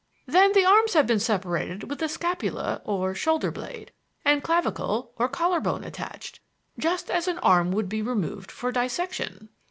Then the arms have been separated with the scapula (or shoulder blade) and clavicle (or collar bone) attached, just as an arm would be removed for dissection.